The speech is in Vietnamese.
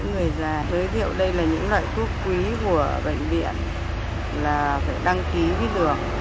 giới thiệu đây là những loại thuốc quý của bệnh viện là phải đăng ký với đường